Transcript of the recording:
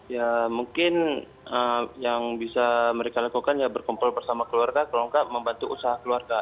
ya mungkin yang bisa mereka lakukan ya berkumpul bersama keluarga kalau enggak membantu usaha keluarga